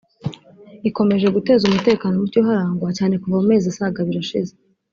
ikomeje guteza umutekano muke uharangwa cyane kuva mu mezi asaga abiri ashize